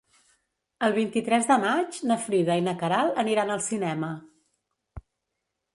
El vint-i-tres de maig na Frida i na Queralt aniran al cinema.